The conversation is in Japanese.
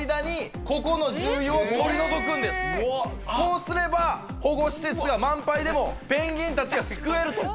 このこうすれば保護施設が満杯でもペンギンたちを救えると。